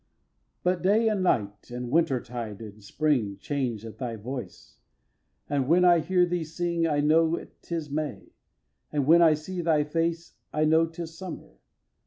x. But day and night, and winter tide and spring, Change at thy voice; and when I hear thee sing I know 'tis May; and when I see thy face I know 'tis Summer.